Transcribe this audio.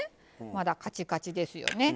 まだカチカチですよね。